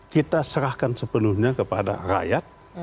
kita serahkan sepenuhnya kepada rakyat